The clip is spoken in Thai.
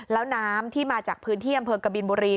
แล้วน้ำที่มาจากพื้นที่อำเภอกบินบุรี